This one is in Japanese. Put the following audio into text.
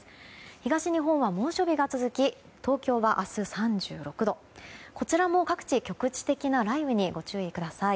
東日本は猛暑日が続き東京は明日３６度こちらも各地、局地的な雷雨にご注意ください。